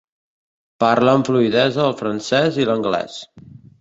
Parla amb fluïdesa el francès i l'anglès.